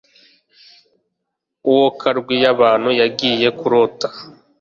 Uwo karwi yabantu yagiye kurota